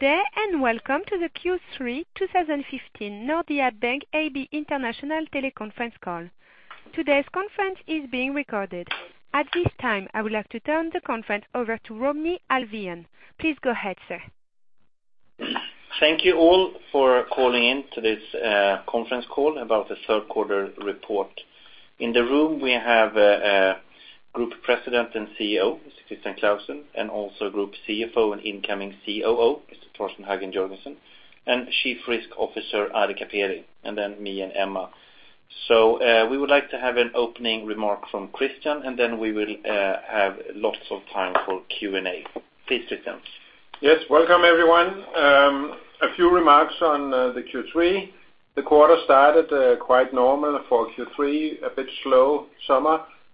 Good day. Welcome to the Q3 2015 Nordea Bank AB International teleconference call. Today's conference is being recorded. At this time, I would like to turn the conference over to Rodney Alfvén. Please go ahead, sir. Thank you all for calling in to this conference call about the third quarter report. In the room, we have Group President and CEO, Christian Clausen, and also Group CFO and incoming COO, Mr. Torsten Hagen Jørgensen, and Chief Risk Officer, Ari Kaperi, and then me and Emma. We would like to have an opening remark from Christian. Then we will have lots of time for Q&A. Please, Christian. Yes. Welcome, everyone. A few remarks on the Q3. The quarter started quite normal for Q3, a bit slow,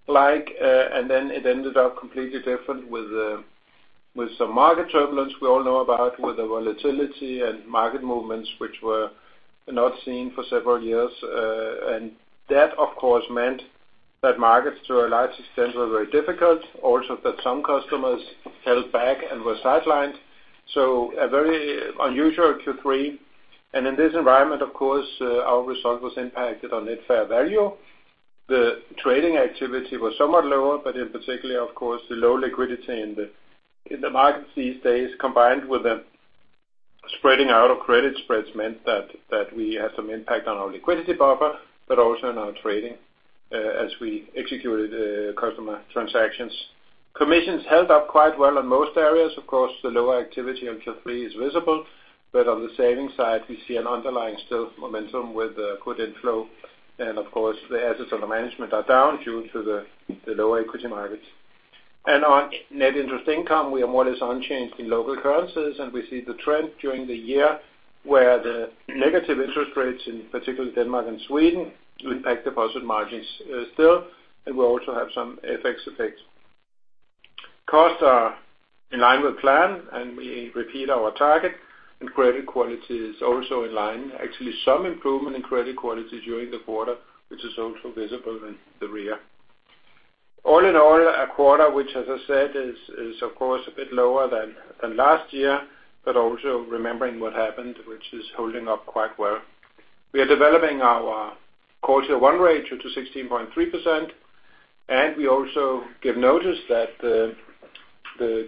summer-like. Then it ended up completely different with some market turbulence we all know about with the volatility and market movements, which were not seen for several years. That, of course, meant that markets to a large extent were very difficult, also that some customers held back and were sidelined. A very unusual Q3. In this environment, of course, our result was impacted on net fair value. The trading activity was somewhat lower, but in particular, of course, the low liquidity in the markets these days, combined with the spreading out of credit spreads meant that we had some impact on our liquidity buffer, but also in our trading as we executed customer transactions. Commissions held up quite well in most areas. Of course, the lower activity on Q3 is visible, but on the savings side we see an underlying still momentum with good inflow. Of course, the assets under management are down due to the lower equity markets. On net interest income, we are more or less unchanged in local currencies. We see the trend during the year where the negative interest rates in particular Denmark and Sweden impact deposit margins still. We also have some FX effects. Costs are in line with plan. We repeat our target. Credit quality is also in line. Actually, some improvement in credit quality during the quarter, which is also visible in the rear. All in all, a quarter which, as I said, is of course a bit lower than last year, but also remembering what happened, which is holding up quite well. We are developing our Core Tier 1 ratio to 16.3%, we also give notice that the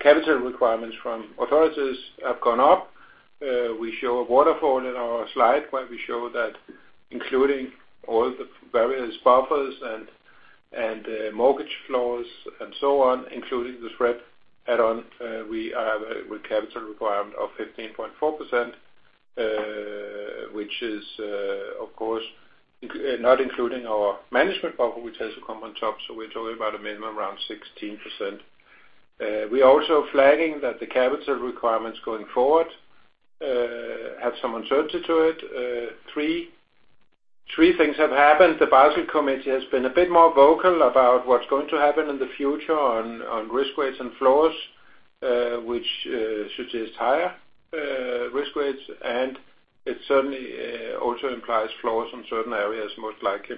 capital requirements from authorities have gone up. We show a waterfall in our slide where we show that including all the various buffers and mortgage floors and so on, including the SREP add-on, we have a capital requirement of 15.4%, which is of course not including our management buffer, which has to come on top. We are talking about a minimum around 16%. We are also flagging that the capital requirements going forward have some uncertainty to it. Three things have happened. The Basel Committee has been a bit more vocal about what's going to happen in the future on risk weights and floors, which suggests higher risk weights, and it certainly also implies floors on certain areas, most likely.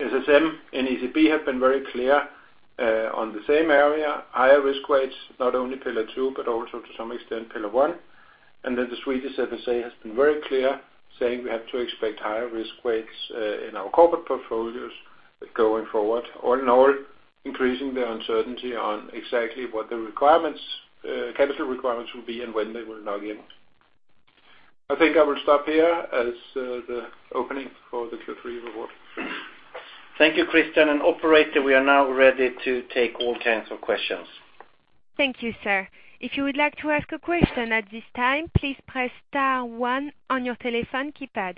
SSM and ECB have been very clear on the same area, higher risk weights, not only Pillar 2, but also to some extent Pillar 1. The Swedish FSA has been very clear, saying we have to expect higher risk weights in our corporate portfolios going forward. All in all, increasing the uncertainty on exactly what the capital requirements will be and when they will lock in. I think I will stop here as the opening for the Q3 report. Thank you, Christian. Operator, we are now ready to take all kinds of questions. Thank you, sir. If you would like to ask a question at this time, please press star one on your telephone keypad.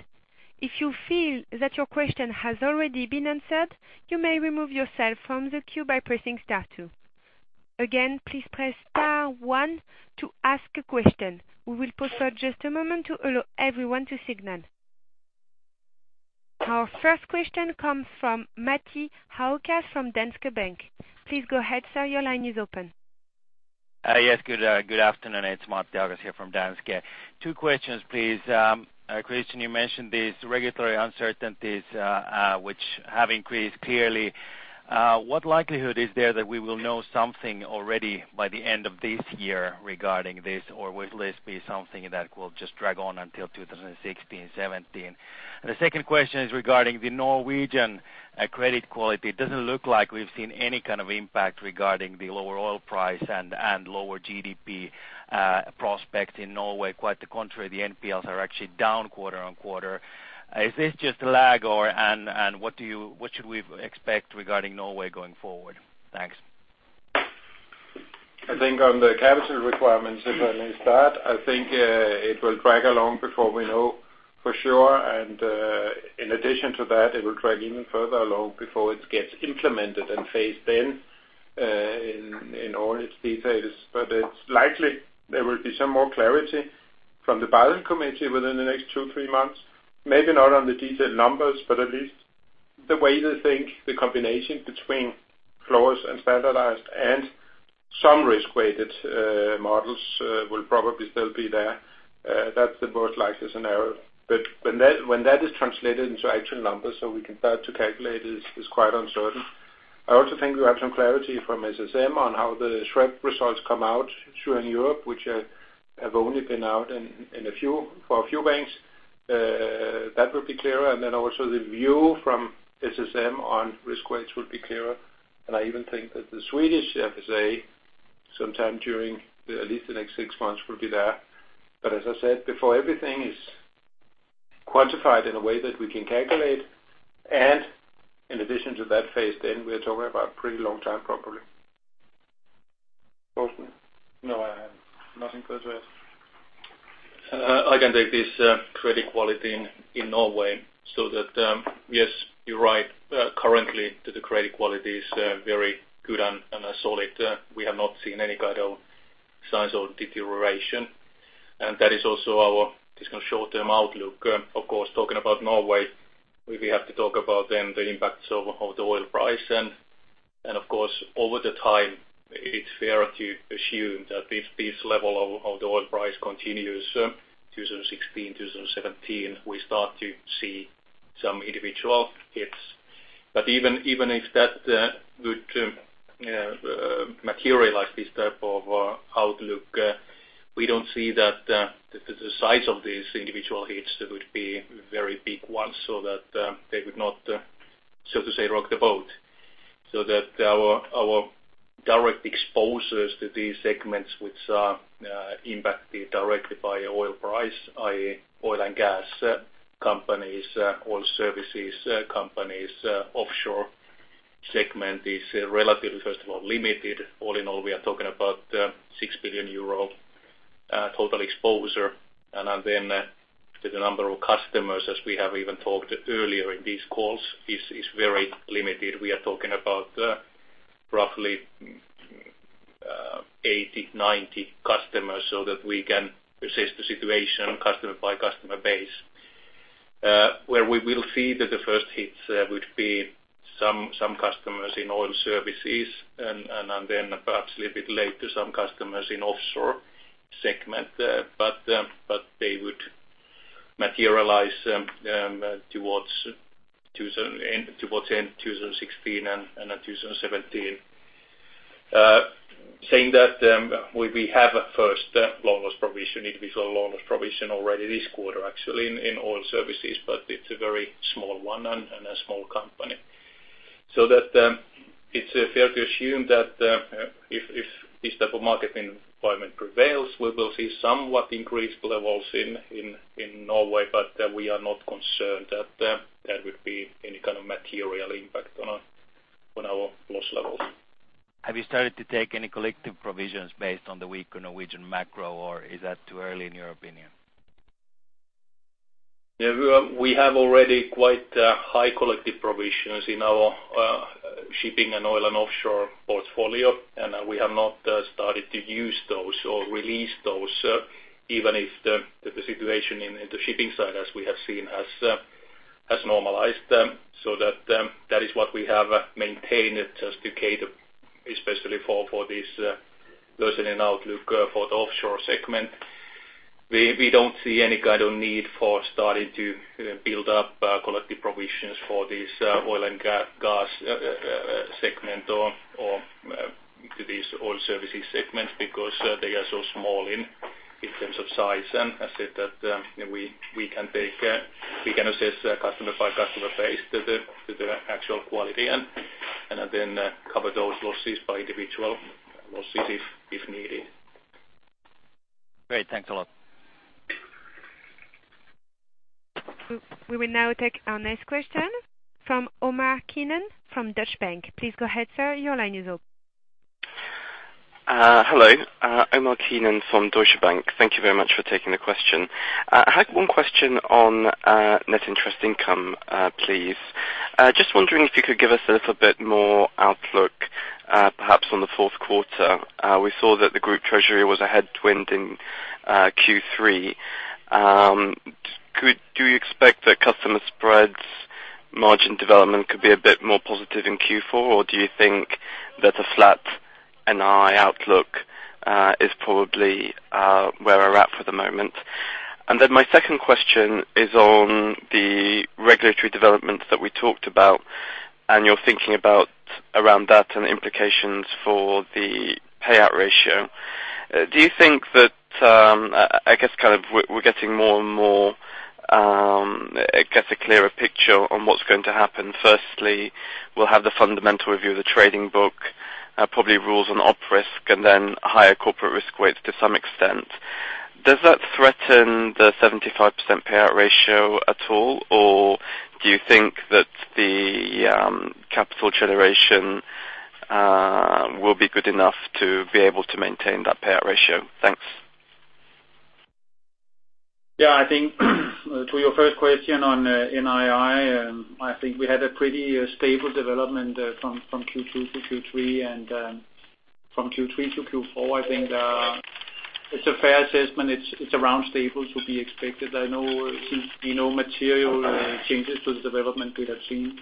If you feel that your question has already been answered, you may remove yourself from the queue by pressing star two. Again, please press star one to ask a question. We will pause for just a moment to allow everyone to signal. Our first question comes from Matti Ahokas from Danske Bank. Please go ahead, sir, your line is open. Yes. Good afternoon. It's Matti Ahokas here from Danske. Two questions, please. Christian, you mentioned these regulatory uncertainties which have increased clearly. What likelihood is there that we will know something already by the end of this year regarding this? Or will this be something that will just drag on until 2016, 2017? The second question is regarding the Norwegian credit quality. It doesn't look like we've seen any kind of impact regarding the lower oil price and lower GDP prospects in Norway. Quite the contrary, the NPLs are actually down quarter-on-quarter. Is this just a lag? What should we expect regarding Norway going forward? Thanks. I think on the capital requirements, if I may start, I think it will drag along before we know for sure. In addition to that, it will drag even further along before it gets implemented and phased in in all its details. It's likely there will be some more clarity from the Basel Committee within the next two, three months. Maybe not on the detailed numbers, but at least the way they think the combination between floors and standardized and some risk-weighted models will probably still be there. That's the most likely scenario. When that is translated into actual numbers so we can start to calculate is quite uncertain. I also think we have some clarity from SSM on how the SREP results come out through in Europe, which have only been out for a few banks. That will be clearer. Also, the view from SSM on risk weights will be clearer. I even think that the Swedish FSA, sometime during at least the next six months, will be there. As I said before, everything is quantified in a way that we can calculate. In addition to that phase, we are talking about pretty long time properly. Clausen? No, I have nothing further to add. I can take this credit quality in Norway. That yes, you're right. Currently, the credit quality is very good and solid. We have not seen any kind of signs of deterioration. That is also our short-term outlook. Of course, talking about Norway, we have to talk about then the impacts of the oil price. Of course, over the time, it's fair to assume that if this level of the oil price continues 2016, 2017, we start to see some individual hits. Even if that would materialize this type of outlook, we don't see that the size of these individual hits would be very big ones, so that they would not, so to say, rock the boat. Our direct exposures to these segments which are impacted directly by oil price, i.e., oil and gas companies, oil services companies, offshore segment is relatively, first of all, limited. All in all, we are talking about 6 billion euro total exposure. The number of customers, as we have even talked earlier in these calls, is very limited. We are talking about roughly 80, 90 customers so that we can assess the situation customer by customer base. Where we will see that the first hits would be some customers in oil services and then perhaps a little bit later, some customers in offshore segment. They would materialize towards end of 2016 and then 2017. Saying that, we have a first individual loan loss provision already this quarter actually in oil services, but it's a very small one and a small company. It's fair to assume that if this type of market environment prevails, we will see somewhat increased levels in Norway. We are not concerned that there would be any kind of material impact on our loss levels. Have you started to take any collective provisions based on the weaker Norwegian macro, or is that too early in your opinion? We have already quite high collective provisions in our shipping and oil and offshore portfolio, we have not started to use those or release those, even if the situation in the shipping side, as we have seen, has normalized. That is what we have maintained just to cater especially for this loosening outlook for the offshore segment. We don't see any kind of need for starting to build up collective provisions for this oil and gas segment or to these oil services segments because they are so small in terms of size. I said that we can assess customer by customer base to the actual quality and then cover those losses by individual losses if needed. Great. Thanks a lot. We will now take our next question from Omar Keenan from Deutsche Bank. Please go ahead, sir. Your line is open. Hello, Omar Keenan from Deutsche Bank. Thank you very much for taking the question. I had one question on net interest income, please. Just wondering if you could give us a little bit more outlook perhaps on the fourth quarter. We saw that the Group Treasury was a headwind in Q3. Do you expect that customer spreads margin development could be a bit more positive in Q4, or do you think that a flat NII outlook is probably where we're at for the moment? Then my second question is on the regulatory developments that we talked about, and you're thinking about around that and implications for the payout ratio. Do you think that we're getting more and more a clearer picture on what's going to happen? Firstly, we'll have the Fundamental Review of the Trading Book probably rules on Operational risk and then higher corporate risk weights to some extent. Does that threaten the 75% payout ratio at all, or do you think that the capital generation will be good enough to be able to maintain that payout ratio? Thanks. To your first question on NII, we had a pretty stable development from Q2 to Q3. From Q3 to Q4 it's a fair assessment. It's around stable to be expected since no material changes to the development we have seen.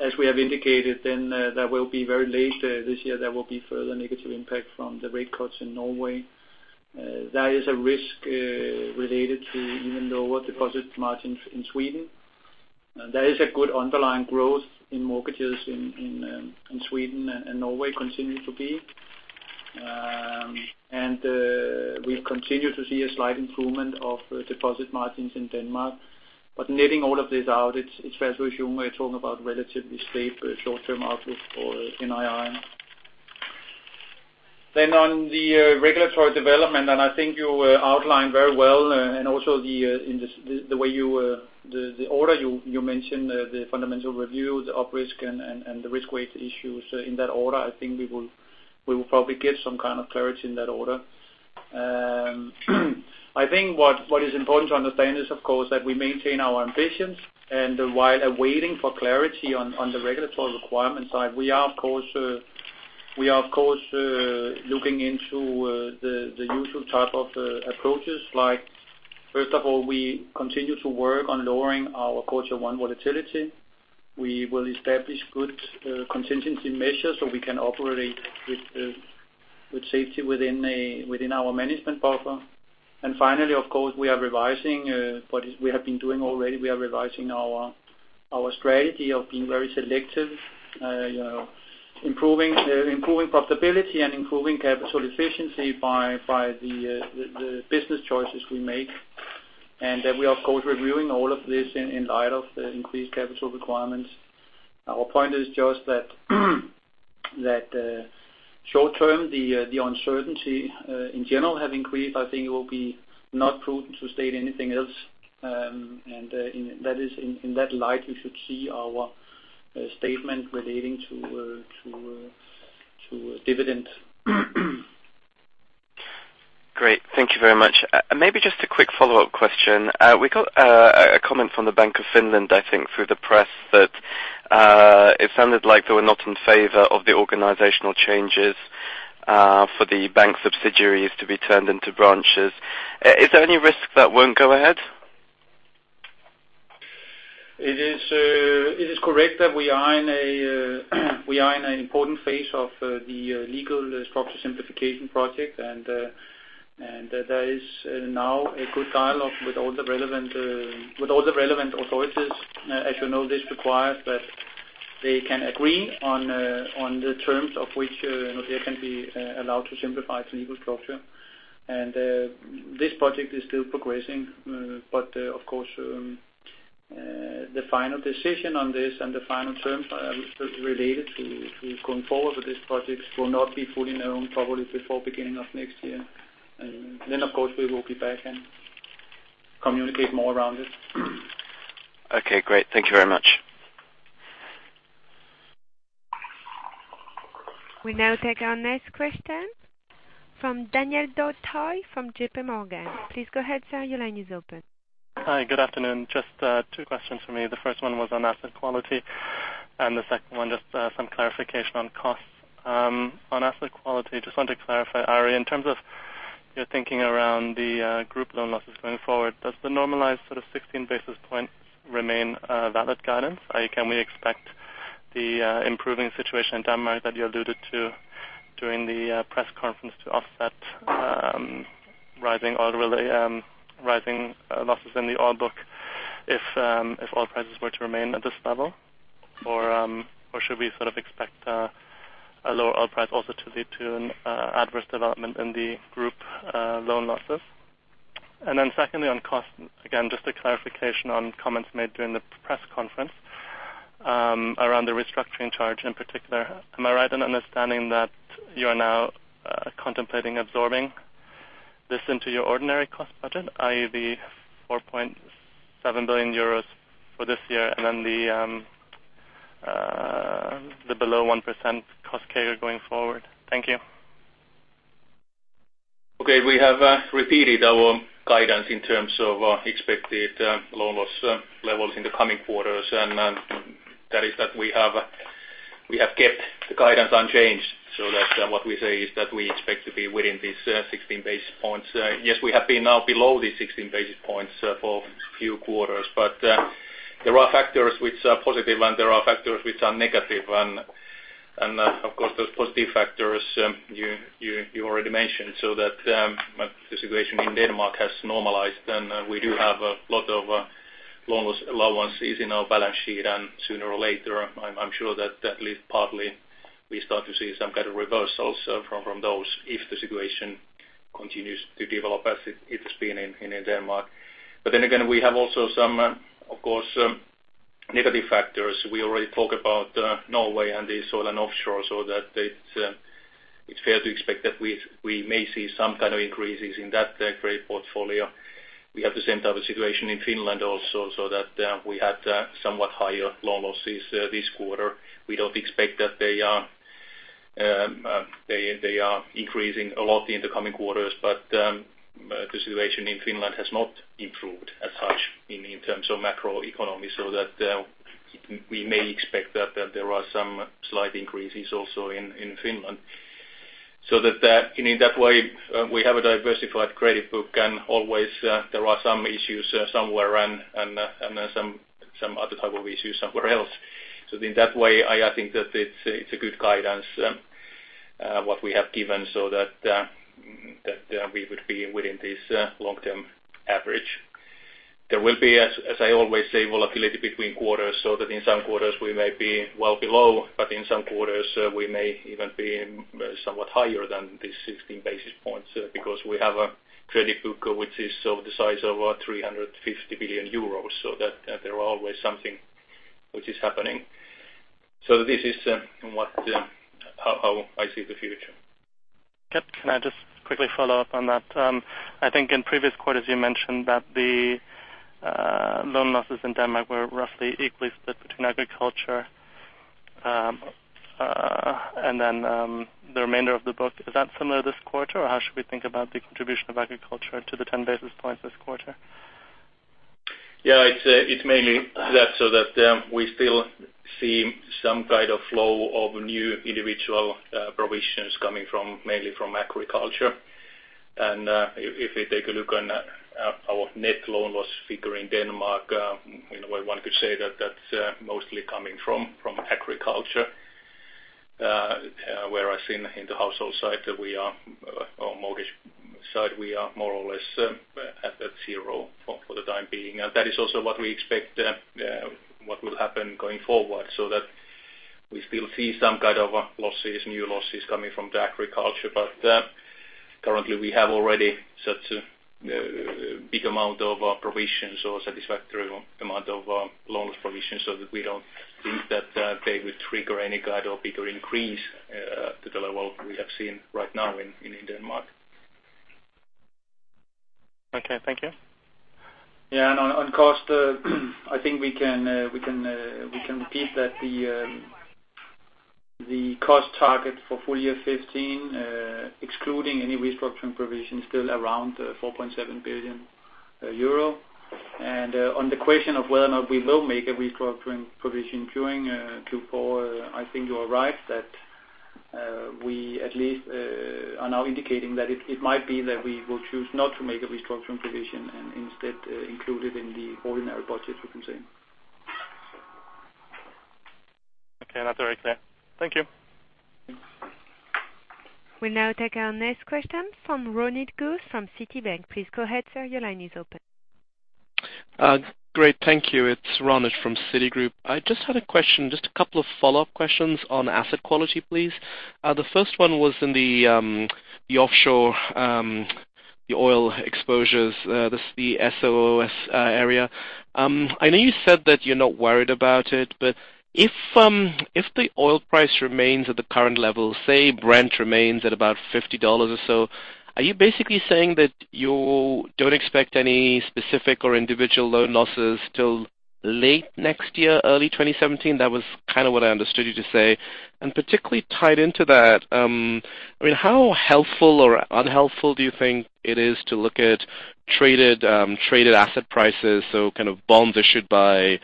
As we have indicated that will be very late this year, there will be further negative impact from the rate cuts in Norway. There is a risk related to even lower deposit margins in Sweden. There is a good underlying growth in mortgages in Sweden and Norway continuing to be. We continue to see a slight improvement of deposit margins in Denmark. Netting all of this out, it's fair to assume we're talking about relatively stable short-term outlook for NII. On the regulatory development, you outlined very well, also the order you mentioned the fundamental review, the OP risk, and the risk weight issues in that order. We will probably get some kind of clarity in that order. What is important to understand is, of course, that we maintain our ambitions. While waiting for clarity on the regulatory requirement side, we are, of course, looking into the usual type of approaches. First of all, we continue to work on lowering our Core Tier 1 volatility. We will establish good contingency measures so we can operate with safety within our management buffer. Finally, of course, we are revising what we have been doing already. We are revising our strategy of being very selective, improving profitability, and improving capital efficiency by the business choices we make. We're, of course, reviewing all of this in light of the increased capital requirements. Our point is just that short-term, the uncertainty in general have increased. It will be not prudent to state anything else. In that light, you should see our statement relating to dividend. Great. Thank you very much. Maybe just a quick follow-up question. We got a comment from the Bank of Finland through the press, that it sounded like they were not in favor of the organizational changes for the bank subsidiaries to be turned into branches. Is there any risk that won't go ahead? It is correct that we are in an important phase of the legal structure simplification project. There is now a good dialogue with all the relevant authorities. As you know, this requires that they can agree on the terms of which Nordea can be allowed to simplify its legal structure. This project is still progressing. Of course, the final decision on this and the final terms related to going forward with these projects will not be fully known probably before beginning of next year. Of course, we will be back and communicate more around it. Okay, great. Thank you very much. We now take our next question from Daniel Dautai from JPMorgan. Please go ahead, sir, your line is open. Hi, good afternoon. Just two questions from me. The first one was on asset quality. The second one just some clarification on costs. On asset quality, just want to clarify, Ari, in terms of your thinking around the group loan losses going forward, does the normalized sort of 16 basis points remain a valid guidance? Can we expect the improving situation in Denmark that you alluded to during the press conference to offset rising losses in the oil book if oil prices were to remain at this level? Or should we sort of expect a lower oil price also to lead to an adverse development in the group loan losses? Then secondly, on cost, again, just a clarification on comments made during the press conference around the restructuring charge in particular. Am I right in understanding that you are now contemplating absorbing this into your ordinary cost budget, i.e. the 4.7 billion euros for this year and then the below 1% cost carry going forward? Thank you. Okay. We have repeated our guidance in terms of expected loan loss levels in the coming quarters, and that is that we have kept the guidance unchanged, so that what we say is that we expect to be within these 16 basis points. Yes, we have been now below these 16 basis points for a few quarters, there are factors which are positive and there are factors which are negative. Of course, those positive factors you already mentioned, so that the situation in Denmark has normalized and we do have a lot of loan loss allowances in our balance sheet. Sooner or later, I'm sure that at least partly we start to see some kind of reversals from those if the situation continues to develop as it has been in Denmark. Again, we have also some, of course, negative factors. We already talked about Norway and the oil and offshore, so that it's fair to expect that we may see some kind of increases in that credit portfolio. We have the same type of situation in Finland also, so that we had somewhat higher loan losses this quarter. We don't expect that they are increasing a lot in the coming quarters. The situation in Finland has not improved as much in terms of macroeconomy, so that we may expect that there are some slight increases also in Finland. In that way, we have a diversified credit book, and always there are some issues somewhere and some other type of issues somewhere else. In that way, I think that it's a good guidance what we have given so that we would be within this long-term average. There will be, as I always say, volatility between quarters, so that in some quarters we may be well below, in some quarters, we may even be somewhat higher than these 16 basis points because we have a credit book which is of the size of 350 billion euros, there are always something which is happening. This is how I see the future. Okay. Can I just quickly follow up on that? I think in previous quarters, you mentioned that the loan losses in Denmark were roughly equally split between agriculture, and then the remainder of the book. Is that similar this quarter, or how should we think about the contribution of agriculture to the 10 basis points this quarter? Yeah. It's mainly that, we still see some kind of flow of new individual provisions coming mainly from agriculture. If we take a look on our net loan loss figure in Denmark, in a way, one could say that's mostly coming from agriculture, whereas in the household side or mortgage side, we are more or less at that zero for the time being. That is also what we expect what will happen going forward, we still see some kind of losses, new losses coming from the agriculture. Currently we have already such a big amount of provisions or satisfactory amount of loan loss provisions so that we don't think that they would trigger any kind of bigger increase to the level we have seen right now in Denmark. Okay, thank you. Yeah, on cost, I think we can repeat that the cost target for full year 2015 excluding any restructuring provisions, still around 4.7 billion euro. On the question of whether or not we will make a restructuring provision during Q4, I think you are right that we at least are now indicating that it might be that we will choose not to make a restructuring provision and instead include it in the ordinary budget, you can say. Okay, that's very clear. Thank you. We'll now take our next question from Ronit Ghose from Citi. Please go ahead, sir, your line is open. Great, thank you. It's Ronit from Citigroup. I just had a question, just a couple of follow-up questions on asset quality, please. The first one was in the offshore, the oil exposures, the SOOS area. I know you said that you're not worried about it, but if the oil price remains at the current level, say Brent remains at about $50 or so, are you basically saying that you don't expect any specific or individual loan losses till late next year, early 2017? That was kind of what I understood you to say. Particularly tied into that, how helpful or unhelpful do you think it is to look at traded asset prices, so kind of bonds issued by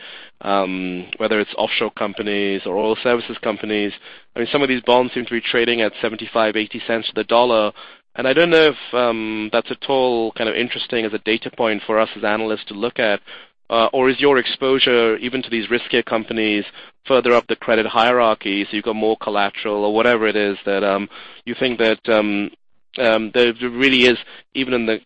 whether it's offshore companies or oil services companies. Some of these bonds seem to be trading at $0.75, $0.80 to the dollar. I don't know if that's at all kind of interesting as a data point for us as analysts to look at. Is your exposure even to these riskier companies further up the credit hierarchy, so you've got more collateral or whatever it is that you think that there really is, even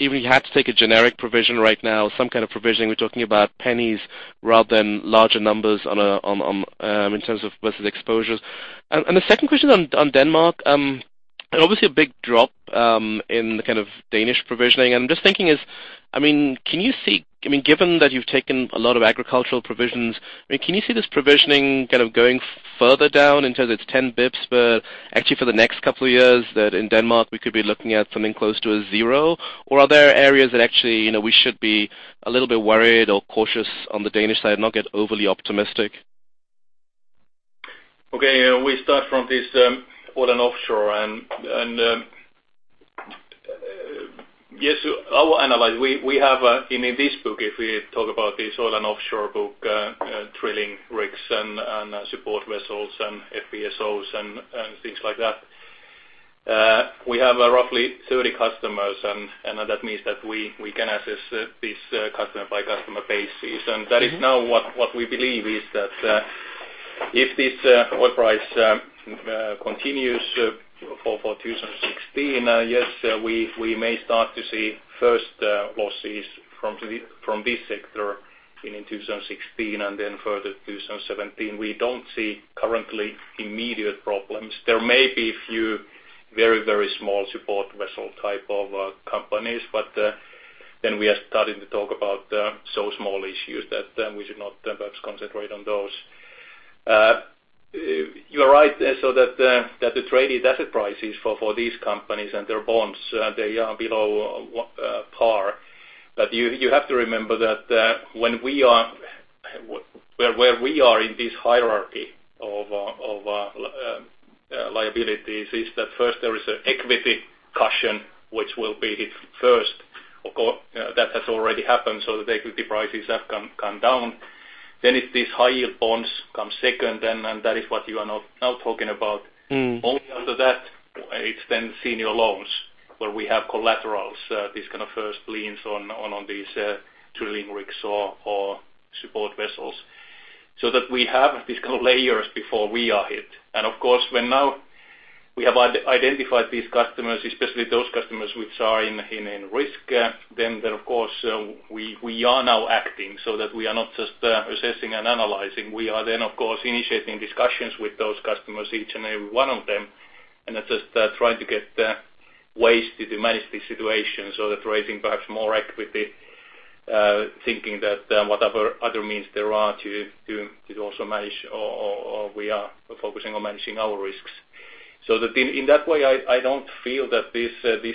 if you had to take a generic provision right now, some kind of provision, we're talking about pennies rather than larger numbers in terms of versus exposures. The second question on Denmark. Obviously a big drop in the kind of Danish provisioning. I'm just thinking is, given that you've taken a lot of agricultural provisions, can you see this provisioning kind of going further down in terms of its 10 basis points, but actually for the next couple of years that in Denmark we could be looking at something close to a zero? Are there areas that actually we should be a little bit worried or cautious on the Danish side and not get overly optimistic? Okay. We start from this oil and offshore. Yes, our analysis, we have in this book, if we talk about this oil and offshore book, drilling rigs and support vessels and FPSOs and things like that. We have roughly 30 customers, and that means that we can assess this customer-by-customer basis. That is now what we believe is that if this oil price continues for 2016, yes, we may start to see first losses from this sector in 2016 and then further 2017. We don't see currently immediate problems. There may be a few very small support vessel type of companies. Then we are starting to talk about so small issues that we should not perhaps concentrate on those. You are right, so that the traded asset prices for these companies and their bonds, they are below par. You have to remember that where we are in this hierarchy of liabilities is that first there is an equity cushion, which will be hit first. That has already happened, so the equity prices have come down. If these high-yield bonds come second, then that is what you are now talking about. Only after that, it's then senior loans where we have collaterals. These kind of first liens on these drilling rigs or support vessels. That we have these layers before we are hit. Of course, when now we have identified these customers, especially those customers which are in risk, then of course, we are now acting so that we are not just assessing and analyzing. We are then, of course, initiating discussions with those customers, each and every one of them, and just trying to get ways to manage the situation so that raising perhaps more equity, thinking that whatever other means there are to also manage, or we are focusing on managing our risks. That in that way, I don't feel that this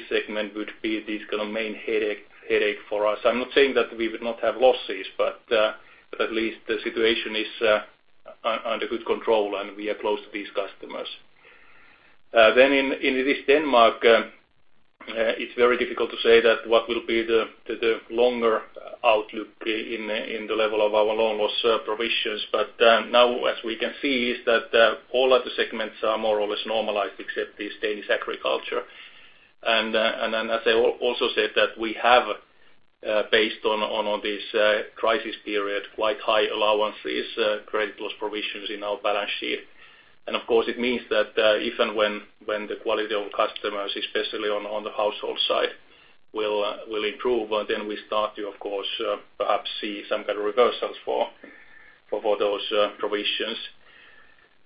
segment would be this kind of main headache for us. I'm not saying that we would not have losses, but at least the situation is under good control, and we are close to these customers. In Denmark, it's very difficult to say what will be the longer outlook in the level of our loan loss provisions. Now, as we can see, is that all other segments are more or less normalized except this Danish agriculture. As I also said that we have based on this crisis period, quite high allowances, credit loss provisions in our balance sheet. Of course, it means that if and when the quality of customers, especially on the household side, will improve, then we start to, of course, perhaps see some kind of reversals for those provisions.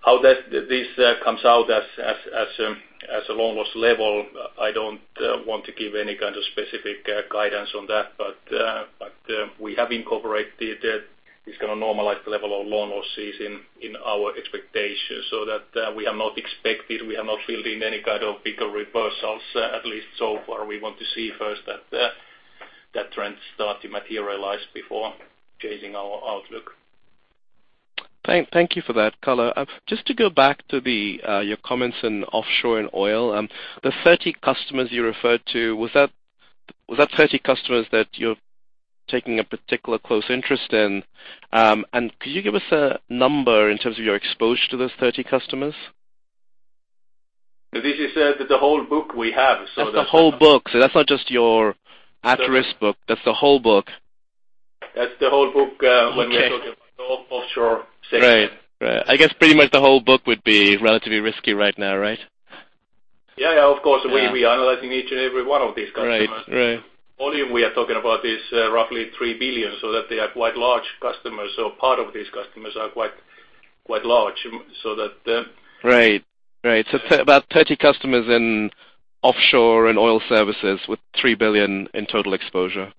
How this comes out as a loan loss level, I don't want to give any kind of specific guidance on that, but we have incorporated this kind of normalized level of loan losses in our expectations so that we have not expected, we have not built in any kind of bigger reversals, at least so far. We want to see first that trends start to materialize before changing our outlook. Thank you for that color. Just to go back to your comments in offshore and oil. The 30 customers you referred to, was that 30 customers that you're taking a particular close interest in? Could you give us a number in terms of your exposure to those 30 customers? This is the whole book we have. That's the whole book. That's not just your at-risk book. That's the whole book. That's the whole book when we're talking about the offshore segment. Right. I guess pretty much the whole book would be relatively risky right now, right? Yeah, of course. We are analyzing each and every one of these customers. Right. The volume we are talking about is roughly 3 billion. They are quite large customers. Part of these customers are quite large. Right. About 30 customers in offshore and oil services with 3 billion in total exposure.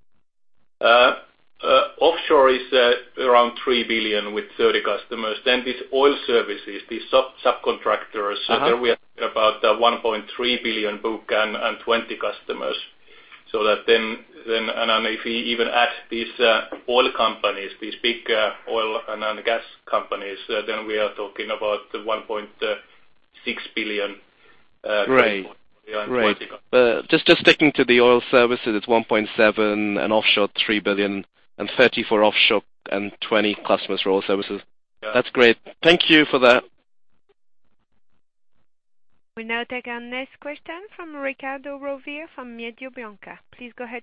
Offshore is around 3 billion with 30 customers. These oil services, these subcontractors- There we are talking about 1.3 billion book and 20 customers. If we even add these oil companies, these big oil and gas companies, we are talking about 1.6 billion. Right. Just sticking to the oil services, it is 1.7 billion and offshore 3 billion and 30 customers for offshore and 20 customers for oil services. Yeah. That's great. Thank you for that. We now take our next question from Riccardo Rovere from Mediobanca. Please go ahead.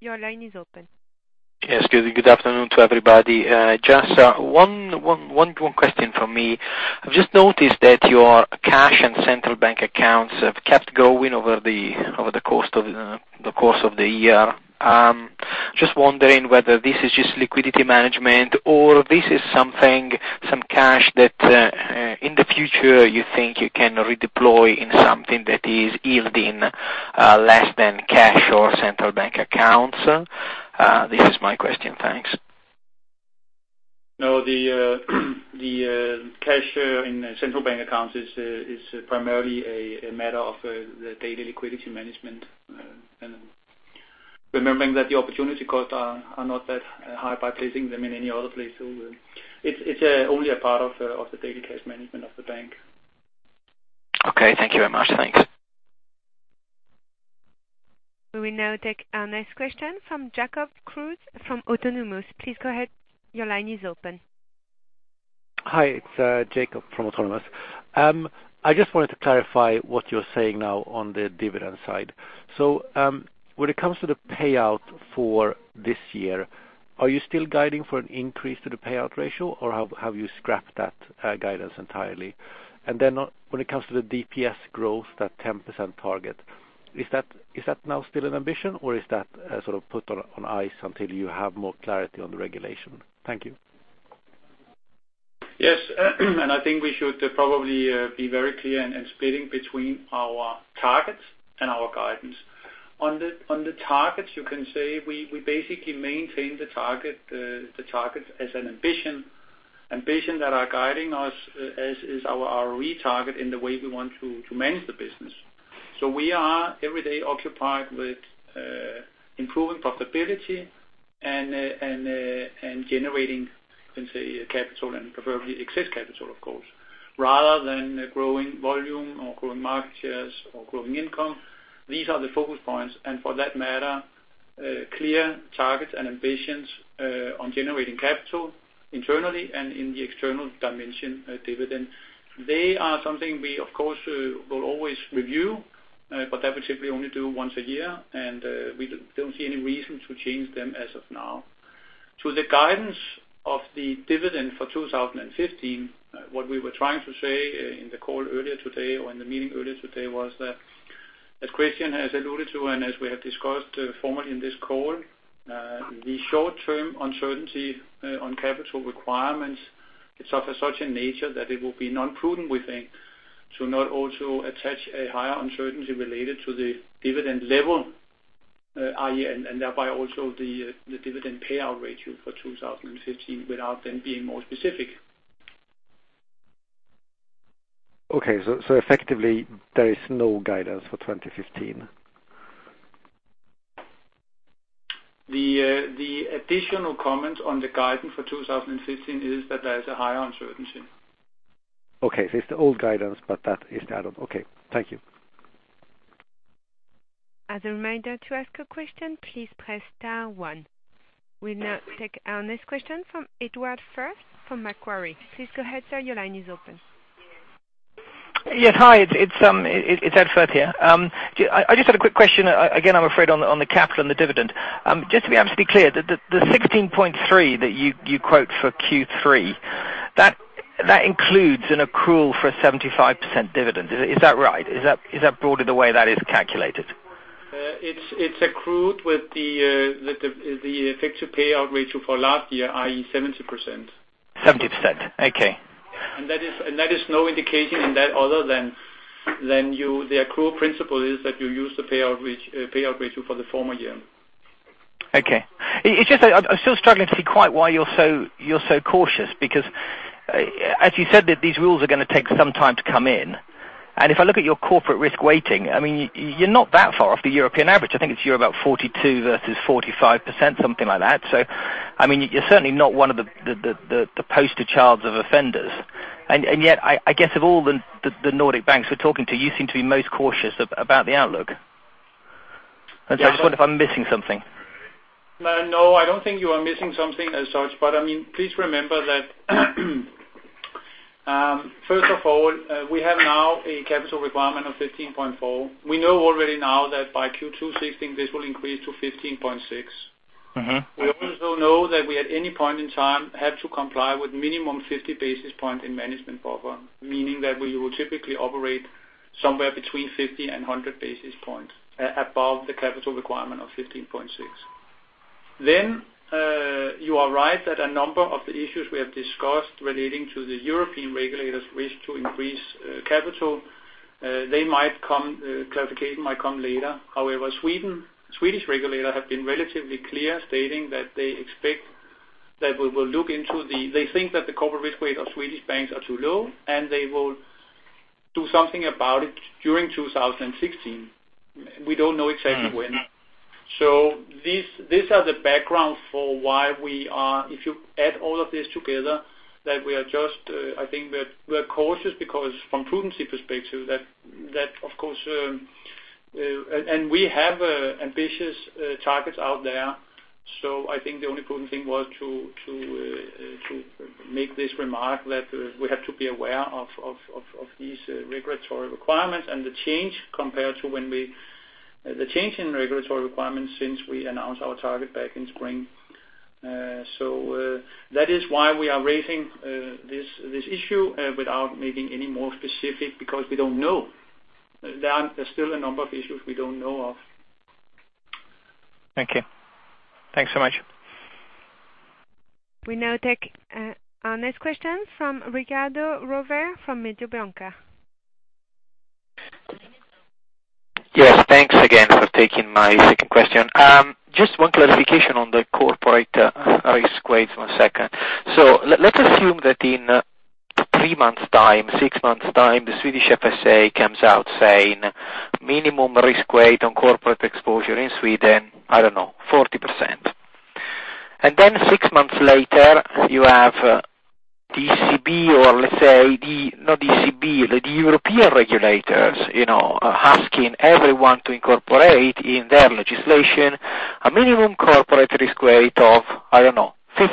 Your line is open. Yes, good afternoon to everybody. Just one question from me. I've just noticed that your cash and central bank accounts have kept growing over the course of the year. Just wondering whether this is just liquidity management or this is something, some cash that in the future you think you can redeploy in something that is yielding less than cash or central bank accounts? This is my question. Thanks. No, the cash in central bank accounts is primarily a matter of the daily liquidity management. Remembering that the opportunity costs are not that high by placing them in any other place. It's only a part of the daily cash management of the bank. Okay. Thank you very much. Thanks. We will now take our next question from Jacob Kruse from Autonomous. Please go ahead. Your line is open. Hi, it's Jacob from Autonomous. I just wanted to clarify what you're saying now on the dividend side. When it comes to the payout for this year, are you still guiding for an increase to the payout ratio or have you scrapped that guidance entirely? When it comes to the DPS growth, that 10% target, is that now still an ambition or is that sort of put on ice until you have more clarity on the regulation? Thank you. I think we should probably be very clear and splitting between our targets and our guidance. On the targets, you can say we basically maintain the target as an ambition. Ambition that are guiding us as is our retarget in the way we want to manage the business. We are every day occupied with improving profitability and generating, you can say, capital and preferably excess capital, of course, rather than growing volume or growing market shares or growing income. These are the focus points, and for that matter clear targets and ambitions on generating capital internally and in the external dimension dividend. They are something we, of course, will always review. That we typically only do once a year, and we don't see any reason to change them as of now. To the guidance of the dividend for 2015, what we were trying to say in the call earlier today or in the meeting earlier today was that, as Christian has alluded to, and as we have discussed formerly in this call, the short-term uncertainty on capital requirements is of such a nature that it will be non-prudent, we think, to not also attach a higher uncertainty related to the dividend level, i.e., and thereby also the dividend payout ratio for 2015 without then being more specific. Effectively there is no guidance for 2015. The additional comments on the guidance for 2015 is that there is a higher uncertainty. It's the old guidance, but that is the add on. Okay. Thank you. As a reminder to ask a question, please press star one. We'll now take our next question from Edward Firth from Macquarie. Please go ahead, sir, your line is open. Yes. Hi, it's Edward here. I just had a quick question, again, I'm afraid on the capital and the dividend. Just to be absolutely clear, the 16.3 that you quote for Q3, that includes an accrual for a 75% dividend. Is that right? Is that broadly the way that is calculated? It's accrued with the effective payout ratio for last year, i.e., 70%. 70%. Okay. That is no indication in that other than the accrual principle is that you use the payout ratio for the former year. Okay. It's just I'm still struggling to see quite why you're so cautious because as you said, these rules are going to take some time to come in. If I look at your corporate risk weighting, you're not that far off the European average. I think it's you're about 42 versus 45%, something like that. You're certainly not one of the poster childs of offenders. Yet, I guess of all the Nordic banks we're talking to, you seem to be most cautious about the outlook. So I just wonder if I'm missing something. No, I don't think you are missing something as such, but please remember that first of all, we have now a capital requirement of 15.4. We know already now that by Q2 2016 this will increase to 15.6. We also know that we at any point in time have to comply with minimum 50 basis point in management buffer, meaning that we will typically operate somewhere between 50 and 100 basis points above the capital requirement of 15.6. You are right that a number of the issues we have discussed relating to the European regulators wish to increase capital. Clarification might come later. However, Swedish regulator have been relatively clear stating that they think that the corporate risk weight of Swedish banks are too low, and they will do something about it during 2016. We don't know exactly when. These are the background for why we are, if you add all of this together, that we're cautious because from prudency perspective that of course. We have ambitious targets out there. I think the only prudent thing was to make this remark that we have to be aware of these regulatory requirements and the change in regulatory requirements since we announced our target back in spring. That is why we are raising this issue without making any more specific because we don't know. There are still a number of issues we don't know of. Thank you. Thanks so much. We now take our next question from Riccardo Rovere from Mediobanca. Yes, thanks again for taking my second question. Just one clarification on the corporate risk weight. One second. Let's assume that in three months' time, six months' time, the Swedish FSA comes out saying minimum risk weight on corporate exposure in Sweden, I don't know, 40%. Then six months later you have ECB or let's say, not ECB, the European regulators asking everyone to incorporate in their legislation a minimum corporate risk weight of, I don't know, 50%.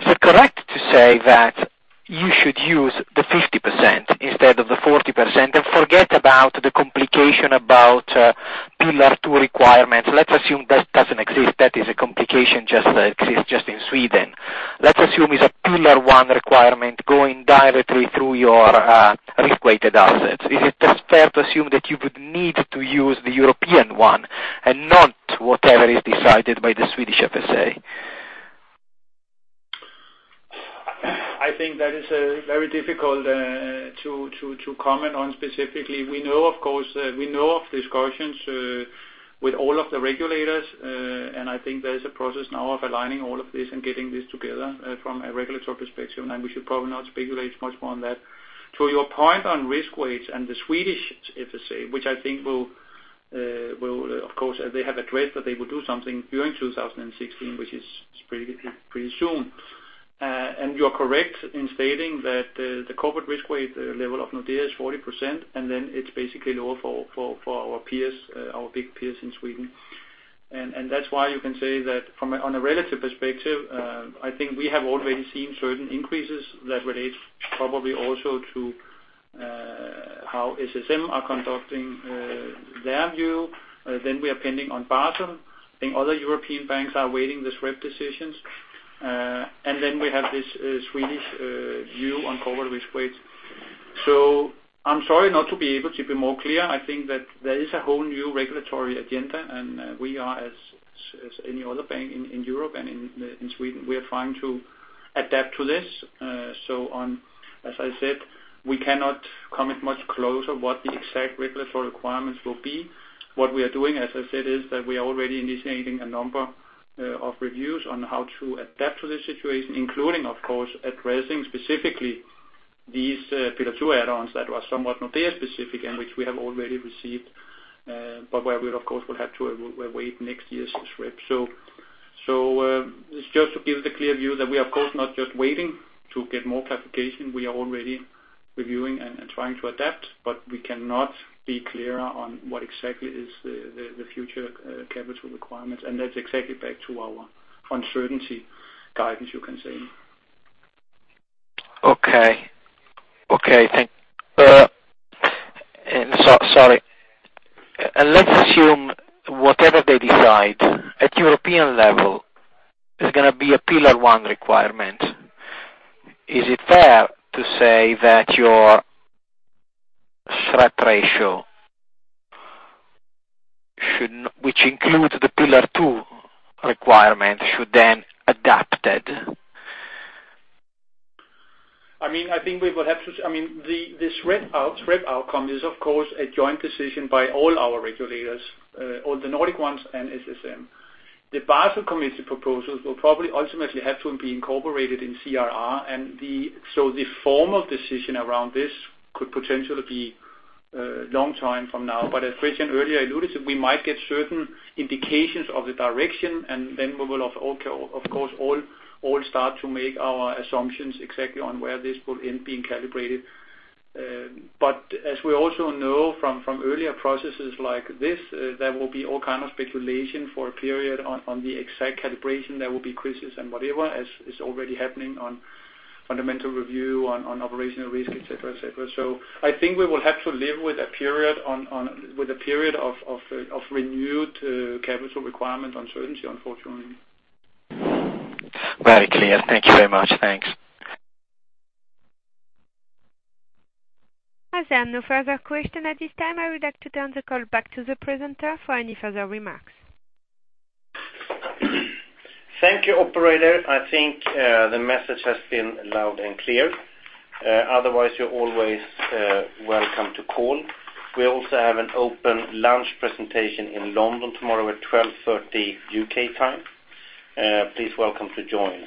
Is it correct to say that you should use the 50% instead of the 40% and forget about the complication about Pillar 2 requirements? Let's assume that doesn't exist, that is a complication just exists just in Sweden. Let's assume it's a Pillar 1 requirement going directly through your risk-weighted assets. Is it fair to assume that you would need to use the European one and not whatever is decided by the Swedish FSA? I think that is very difficult to comment on specifically. We know of discussions with all of the regulators, and I think there is a process now of aligning all of this and getting this together from a regulatory perspective, and we should probably not speculate much more on that. To your point on risk weights and the Swedish FSA, which I think will, of course, they have addressed that they will do something during 2016, which is pretty soon. You are correct in stating that the corporate risk weight level of Nordea is 40%. Then it's basically lower for our big peers in Sweden. That's why you can say that from on a relative perspective, I think we have already seen certain increases that relates probably also to how SSM are conducting their view. Then we are pending on Basel. I think other European banks are awaiting the SREP decisions. Then we have this Swedish view on corporate risk weight. I'm sorry not to be able to be more clear. I think that there is a whole new regulatory agenda, and we are as any other bank in Europe and in Sweden, we are trying to adapt to this. As I said, we cannot commit much closer what the exact regulatory requirements will be. What we are doing, as I said, is that we are already initiating a number of reviews on how to adapt to the situation, including, of course, addressing specifically these Pillar 2 add-ons that were somewhat Nordea specific and which we have already received, but where we, of course, will have to wait next year's SREP. It's just to give the clear view that we are, of course, not just waiting to get more clarification. We are already reviewing and trying to adapt, but we cannot be clear on what exactly is the future capital requirements. That's exactly back to our uncertainty guidance, you can say. Okay. Thank. Sorry. Let's assume whatever they decide at European level is going to be a Pillar 1 requirement. Is it fair to say that your SREP ratio, which includes the Pillar 2 requirement, should then adapted? The SREP outcome is, of course, a joint decision by all our regulators, all the Nordic ones and SSM. The Basel Committee proposals will probably ultimately have to be incorporated in CRR, the formal decision around this could potentially be a long time from now. As Christian earlier alluded to, we might get certain indications of the direction, then we will of course, all start to make our assumptions exactly on where this will end being calibrated. As we also know from earlier processes like this, there will be all kind of speculation for a period on the exact calibration. There will be crisis and whatever as is already happening on Fundamental Review, on Operational risk, et cetera. I think we will have to live with a period of renewed capital requirement uncertainty, unfortunately. Very clear. Thank you very much. Thanks. As there are no further questions at this time, I would like to turn the call back to the presenter for any further remarks. Thank you, operator. I think the message has been loud and clear. Otherwise, you're always welcome to call. We also have an open lunch presentation in London tomorrow at 12:30 U.K. time. Please welcome to join.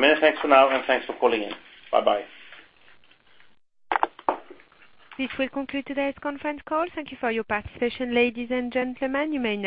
Many thanks for now and thanks for calling in. Bye. This will conclude today's conference call. Thank you for your participation ladies and gentlemen. You may now disconnect.